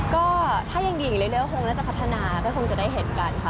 ก็ถ้ายังดีอีกเรื่อยคงน่าจะพัฒนาก็คงจะได้เห็นกันค่ะ